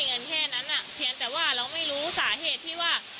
เงินแค่นั้นอ่ะเพียงแต่ว่าเราไม่รู้สาเหตุที่ว่า